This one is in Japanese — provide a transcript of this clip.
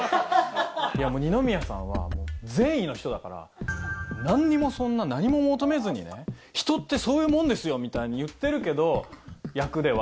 二宮さんは善意の人だから何も求めずにね人ってそういうもんですよみたいに言ってるけど役では。